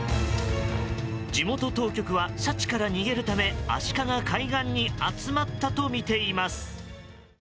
地元当局はシャチから逃げるためアシカが海岸に集まったとみています。